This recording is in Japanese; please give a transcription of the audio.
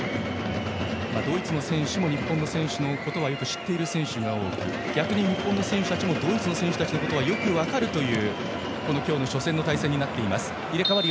ドイツ選手も日本の選手のことはよく知っている選手が多く逆に日本の選手もドイツの選手はよく分かるという今日の初戦の対戦です。